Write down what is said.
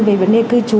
về vấn đề cư chú